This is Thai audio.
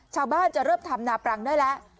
ชาวบ้านจะเริ่มทำนาปรังได้แล้ว